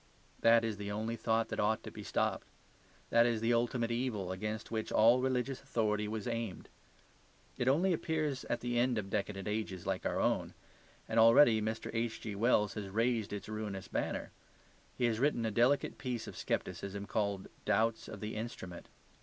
That is the only thought that ought to be stopped. That is the ultimate evil against which all religious authority was aimed. It only appears at the end of decadent ages like our own: and already Mr. H.G.Wells has raised its ruinous banner; he has written a delicate piece of scepticism called "Doubts of the Instrument."